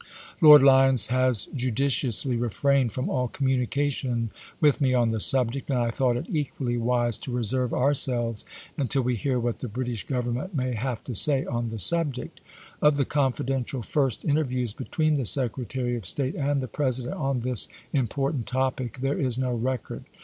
Lord Lyons has judiciously refrained from all communication with me on the subject, and I thought it equally wtmeut ^^^^^ reserve ourselves until we hear what the Brit Ar^lyes. ^g|^ Govcmment may have to say on the subject." Of the confidential first interviews between the Secretary of State and the President on this impor tant topic there is no record.